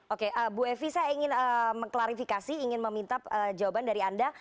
oke bu evi saya ingin mengklarifikasi ingin meminta jawaban dari anda